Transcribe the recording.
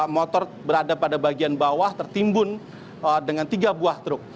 motor berada pada bagian bawah tertimbun dengan tiga buah truk